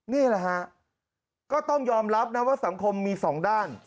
นี่แหละฮะก็ต้องยอมรับนะว่าสังคมมีสองด้าน